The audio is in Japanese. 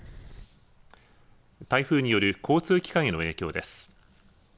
台風による交通機関への影響です。